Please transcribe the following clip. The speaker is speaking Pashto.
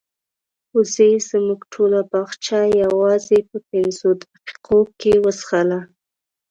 وزې زموږ ټوله باغچه یوازې په پنځو دقیقو کې وڅښله.